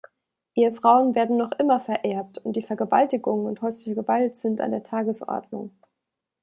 Ehefrauen werden noch immer vererbt, und Vergewaltigung und häusliche Gewalt sind an der Tagesordnung.